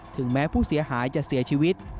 ถึงแม้ผู้เสียหายจะเสียชีวิต